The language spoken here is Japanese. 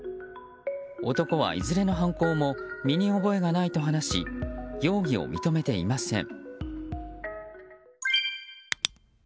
男はいずれの犯行も身に覚えがないと話し容疑を認めていません。